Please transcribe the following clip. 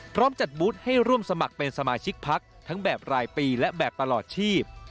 พร้อมจัดบูธให้ร่วมสมัครเป็นสมาชิกพักทั้งแบบรายปีและแบบตลอดชีพ